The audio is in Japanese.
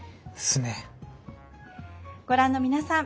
ご覧の皆さん